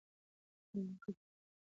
عامه خدمت د ټولنې اړتیاوو ته ځواب وايي.